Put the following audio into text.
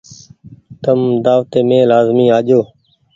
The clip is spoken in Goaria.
تم دآوتي مين لآزمي آجو ۔